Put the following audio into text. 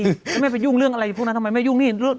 แล้วแม่ไปยุ่งเรื่องอะไรพวกนั้นทำไมไม่ยุ่งนี่